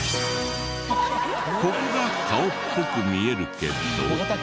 ここが顔っぽく見えるけど。